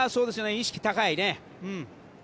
意識高いね。